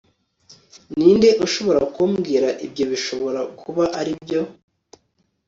ninde ushobora kumbwira ibyo bishobora kuba aribyo